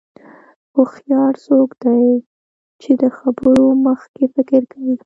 هوښیار څوک دی چې د خبرو مخکې فکر کوي.